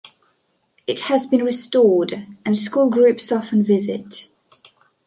It has been restored, and school groups often visit.